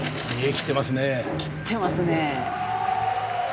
切ってますね。